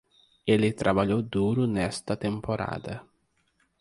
Ele trabalhou duro nesta temporada.